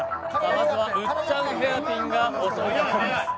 まずはウッチャンヘアピンが襲いかかります。